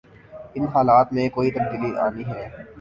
ان حالات میں کوئی تبدیلی آنی ہے۔